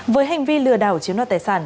với hành vi lừa đảo chiếm đoạt tài sản